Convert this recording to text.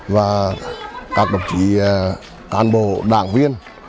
và các đồng chí cán bộ đảng viên